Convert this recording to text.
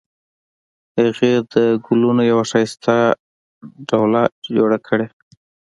هغې د ګلونو یوه ښایسته ډوله جوړه کړې